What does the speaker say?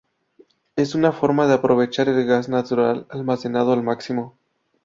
Es una forma de aprovechar el gas natural almacenado al máximo.